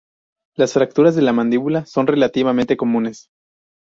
Las fracturas de la mandíbula son relativamente comunes.